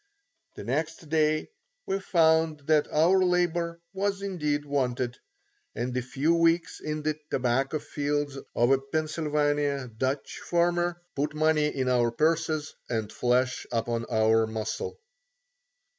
The next day we found that our labour was indeed wanted, and a few weeks in the tobacco fields of a Pennsylvania Dutch farmer put money into our purses and flesh upon our muscle.